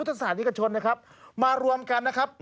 ผู้ทัศนิยกชนนะครับมารวมกันนะครับ